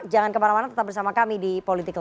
jangan kemana mana tetap bersama kami di politico show